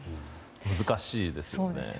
難しいですよね。